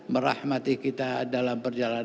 merahmati kita dalam perjalanan